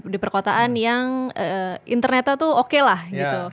di perkotaan yang internetnya tuh oke lah gitu